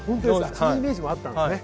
そのイメージもあったんですね。